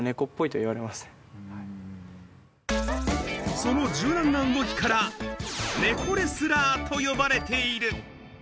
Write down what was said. その柔軟な動きから、猫レスラーと呼ばれている。